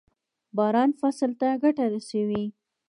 باران فصل ته ګټه رسوي.